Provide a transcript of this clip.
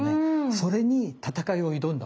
それに戦いを挑んだお米です。